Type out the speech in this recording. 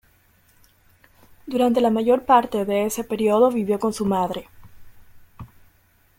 Durante la mayor parte de ese periodo vivió con su madre.